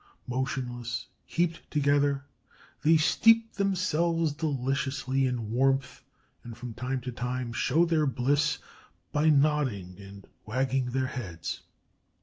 Motionless, heaped together, they steep themselves deliciously in warmth and from time to time show their bliss by nodding and wagging their heads.